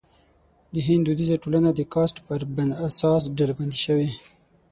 د هند دودیزه ټولنه د کاسټ پر اساس ډلبندي شوې.